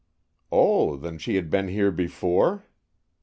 "Oh, then she had been here before?"